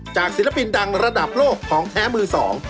ศิลปินดังระดับโลกของแท้มือสอง